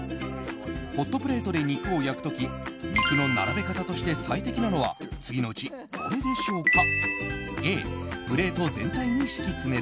ホットプレートで肉を焼く時肉の並べ方として最適なのは次のうちどれでしょうか？